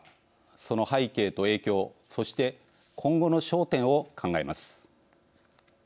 その背景と影響そして今後の焦点を考えます。